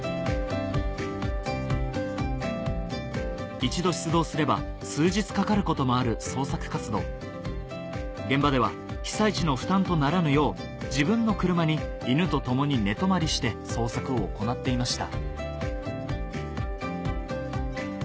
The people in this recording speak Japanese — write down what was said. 一度出動すれば数日かかることもある捜索活動現場では被災地の負担とならぬよう自分の車に犬と共に寝泊まりして捜索を行っていました